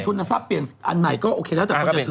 ถ้าไม่มีทุนทรัพย์เปลี่ยนอันใหม่ก็โอเคแล้วแต่คนจะถือ